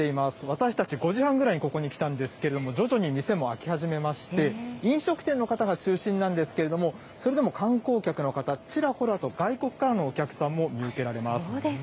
私たち、５時半くらいにここに来たんですけれども、徐々に店も開き始めまして、飲食店の方が中心なんですけれども、それでも観光客の方、ちらほらと外国からのお客さんも見受けられます。